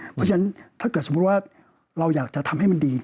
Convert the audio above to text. เพราะฉะนั้นถ้าเกิดสมมุติว่าเราอยากจะทำให้มันดี